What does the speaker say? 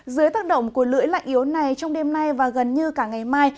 dưới tác động của lưỡi lạnh yếu này trong đêm nay và gần như cả ngày mai